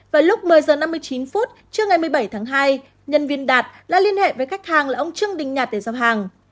vào lúc một mươi h năm mươi chín phút trưa ngày một mươi bảy tháng hai nhân viên đạt đã liên hệ với khách hàng là ông trương đình nhạt để giao hàng